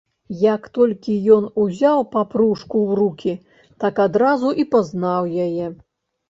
Як толькі ён узяў папружку ў рукі, так адразу і пазнаў яе.